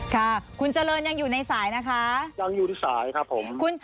ค่ะคุณเจริญยังอยู่ในสายนะคะยังอยู่ในสายครับผม